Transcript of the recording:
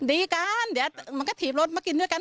ดีกันเดี๋ยวมันก็ถีบรถมากินด้วยกัน